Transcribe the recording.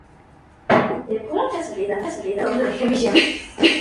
Opera cuatro centros regionales en: Londres, París, Moscú y Atlanta.